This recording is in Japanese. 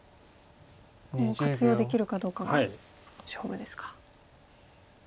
今後活用できるかどうかが勝負ですか。